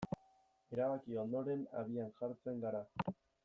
Erabaki ondoren, abian jartzen gara.